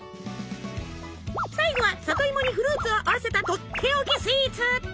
最後は里芋にフルーツを合わせたとっておきスイーツ。